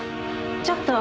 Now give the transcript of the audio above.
ちょっと。